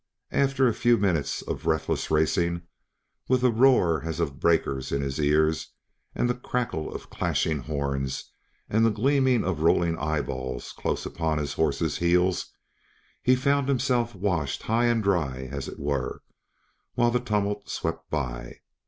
After a few minutes of breathless racing, with a roar as of breakers in his ears and the crackle of clashing horns and the gleaming of rolling eyeballs close upon his horse's heels, he found himself washed high and dry, as it were, while the tumult swept by.